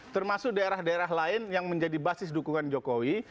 termasuk daerah daerah lain yang menjadi basis dukungan jokowi